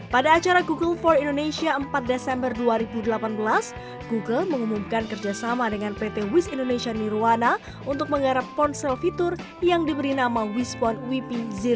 pada acara google for indonesia empat desember dua ribu delapan belas google mengumumkan kerjasama dengan pt wis indonesia nirwana untuk menggarap ponsel fitur yang diberi nama wispon wp